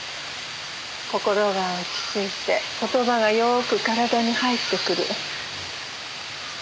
心が落ち着いて言葉がよく体に入ってくる。